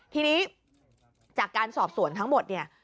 ทีนี้จากการสอบสวนทั้งหมดเนี่ย